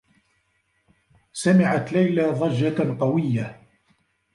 سمعت ليلى ضجّة قويّة.